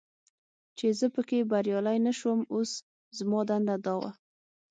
چې زه پکې بریالی نه شوم، اوس زما دنده دا وه.